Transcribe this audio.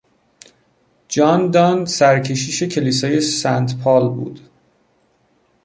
جان دان سرکشیش کلیسای سنت پال بود.